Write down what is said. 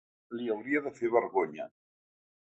Li hauria de fer vergonya.